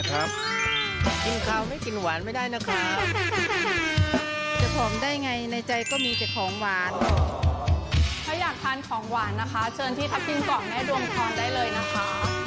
ถ้าอยากทานของหวานเชิญที่ทัพทิมกรอบแม่ดวงพรได้เลยนะคะ